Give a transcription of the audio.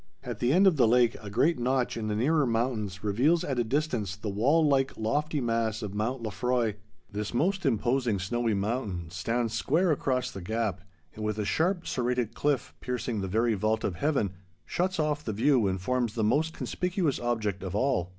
At the end of the lake a great notch in the nearer mountains reveals at a distance the wall like, lofty mass of Mount Lefroy. This most imposing snowy mountain stands square across the gap, and with a sharp serrated cliff piercing the very vault of heaven, shuts off the view and forms the most conspicuous object of all.